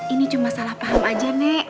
ini cuma salah paham aja nek